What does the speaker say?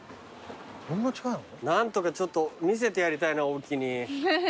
何とかちょっと見せてやりたいな大木に。